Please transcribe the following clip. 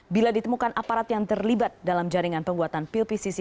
bila ditemukan aparat yang terlibat dalam jaringan pembuatan pil pcc